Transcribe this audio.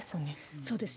そうですね。